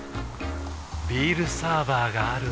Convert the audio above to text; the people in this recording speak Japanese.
ビールサーバーがある夏。